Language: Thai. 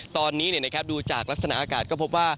ตอนนี้ดูจากลักษณะอากาศก็พบว่า